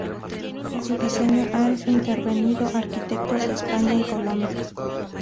En su diseño han intervenido arquitectos de España y Colombia.